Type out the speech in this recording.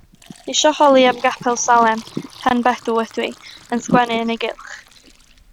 Isio holi am Gapel Salem, Penbedw ydw i; yn sgwennu yn ei gylch.